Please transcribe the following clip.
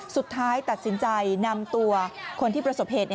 สุดท้ายตัดสินใจนำตัวคนที่ประสบเหตุ